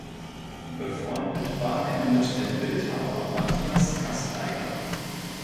Befreundet war er mit dem Bildhauer Mathias Gasteiger.